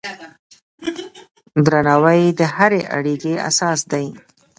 درناوی د هرې اړیکې اساس دی.